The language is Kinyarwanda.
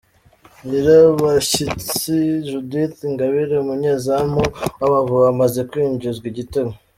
Nyirabashyitsi Judith Ingabire umunyezamu w’Amavubi amaze kwinjizwa igitego